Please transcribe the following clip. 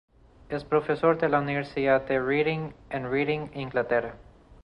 Es profesor de la Universidad de Reading en Reading, Inglaterra.